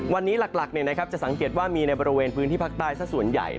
วันนี้หลักจะสังเกตว่ามีในบริเวณพื้นที่ภาคใต้สักส่วนใหญ่